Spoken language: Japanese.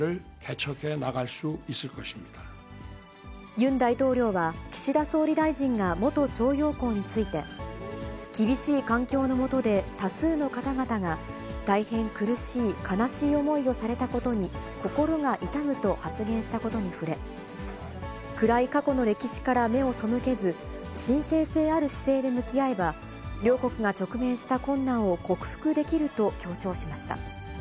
ユン大統領は、岸田総理大臣が元徴用工について、厳しい環境の下で多数の方々が、大変苦しい、悲しい思いをされたことに心が痛むと発言したことに触れ、暗い過去の歴史から目を背けず、真正性ある姿勢で向き合えば、両国が直面した困難を克服できると強調しました。